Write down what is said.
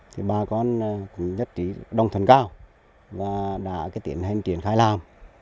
thì bà con cũng nhất trí đồng thần cao và đã tiến hành triển khai làm